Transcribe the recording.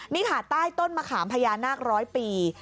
นี่ค่ะใต้ต้นมะขามพญานาคร้อยปี